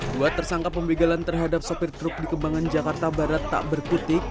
dua tersangka pembegalan terhadap sopir truk di kembangan jakarta barat tak berkutik